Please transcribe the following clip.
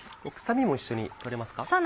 臭みも一緒に取れますか？